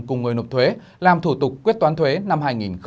cùng người nộp thuế làm thủ tục quyết toán thuế năm hai nghìn một mươi bảy